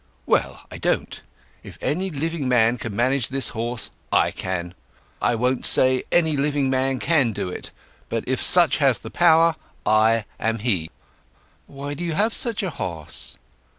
"Well, I don't. If any living man can manage this horse I can: I won't say any living man can do it—but if such has the power, I am he." "Why do you have such a horse?"